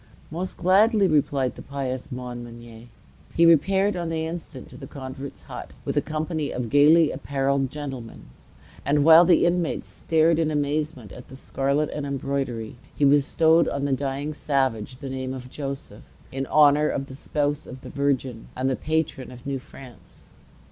"Most gladly," replied the pious Montmagny. He repaired on the instant to the convert's hut, with a company of gayly apparelled gentlemen; and while the inmates stared in amazement at the scarlet and embroidery, he bestowed on the dying savage the name of Joseph, in honor of the spouse of the Virgin and the patron of New France.